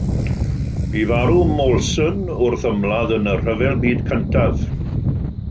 Bu farw Molson wrth ymladd yn y Rhyfel Byd Cyntaf.